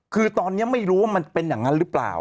คือตอนนี้ไม่รู้ว่ามันเป็นอย่างนั้นหรือเปล่า